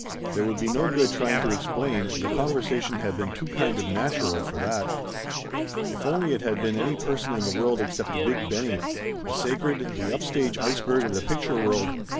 There would be no good trying to ex plain, the conversation had been too kind of natural for that. If only it had been any person in the world except Big Benny, the sacred, the upstage iceberg of the picture world